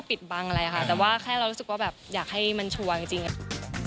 คนที่คุดคุยอยู่แหมชัดเจนยัง